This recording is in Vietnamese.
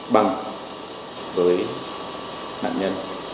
bằng với nạn nhân